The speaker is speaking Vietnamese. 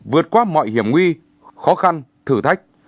vượt qua mọi hiểm nguy khó khăn thử thách